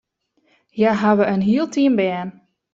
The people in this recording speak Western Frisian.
Hja hawwe in hiel team bern.